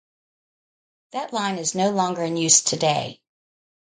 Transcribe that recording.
That line is no longer in use today.